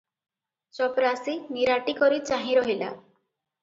ଚପରାଶି ନିରାଟିକରି ଚାହିଁ ରହିଲା ।